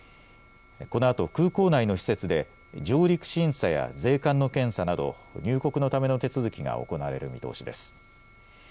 このあと空港内の施設で上陸審査や税関の検査など入国のための手続きが行われる見通しです。